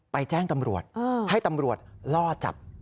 แจ้งตำรวจให้ตำรวจล่อจับ